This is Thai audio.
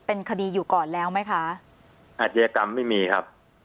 เป็นคดีอยู่ก่อนแล้วไหมคะอาชญากรรมไม่มีครับ